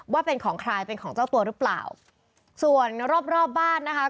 ว่าเป็นของใครเป็นของเจ้าตัวหรือเปล่าส่วนรอบรอบบ้านนะคะ